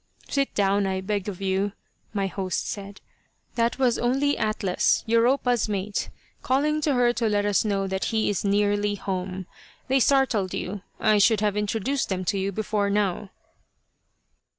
"Sit down, I beg of you," my host said. "That was only Atlas, Europa's mate, calling to her to let us know that he is nearly home. They startled you. I should have introduced them to you before now."